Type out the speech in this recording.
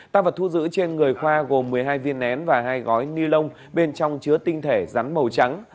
tăng vật thu giữ trên người khoa gồm một mươi hai viên nén và hai gói ni lông bên trong chứa tinh thể rắn màu trắng